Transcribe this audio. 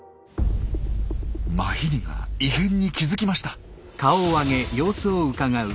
マヒリが異変に気付きました。